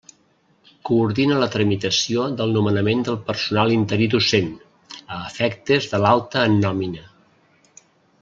Coordina la tramitació del nomenament del personal interí docent, a efectes de l'alta en nòmina.